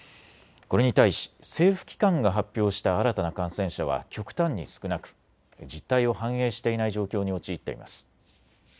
これに対し政府機関が発表した新たな感染者は極端に少なく実態を反映していない状況に陥っています。